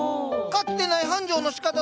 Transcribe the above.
かつてない繁盛のしかただ。